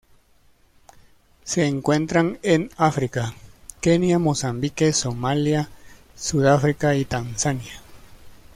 Se encuentran en África: Kenia, Mozambique, Somalia, Sudáfrica y Tanzania.